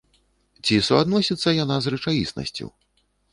Ці суадносіцца яна з рэчаіснасцю?